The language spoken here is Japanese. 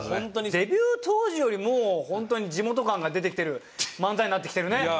デビュー当時よりもう本当に地元感が出てきてる漫才になってきてるね。